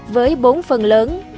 với bốn phần lớn